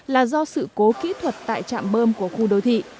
là do sự cố kỹ thuật tại trạm bơm của khu đô thị